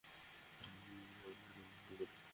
আমি সন্দেশ অপছন্দ করি।